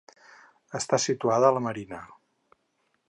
Està situada a la marina.